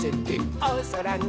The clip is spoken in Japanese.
「おそらに」